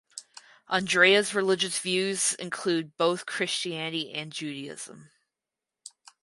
Andrea’s religious views include both Christianity and Judaism.